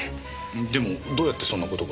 でもどうやってそんな事が？